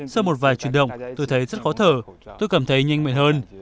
sau một vài chuyến động tôi thấy rất khó thở tôi cảm thấy nhanh mệt hơn